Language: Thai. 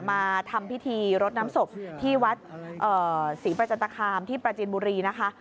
มาทำพิธีรดน้ำศพที่วัดศรีประจันตคามที่ปราจินบุรีนะคะ